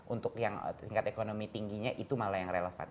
untuk yang tingkat ekonomi tingginya itu malah yang relevan